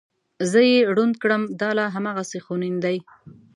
زه یې ړوند کړم دا لا هغسې خونین دی.